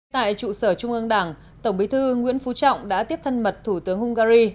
tại trụ sở trung ương đảng tổng bí thư nguyễn phú trọng đã tiếp thân mật thủ tướng hungary